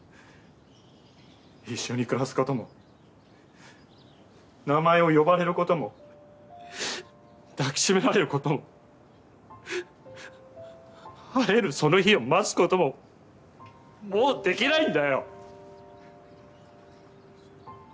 一緒に暮らす事も名前を呼ばれる事も抱きしめられる事も会えるその日を待つ事ももうできないんだよ！